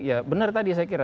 ya benar tadi saya kira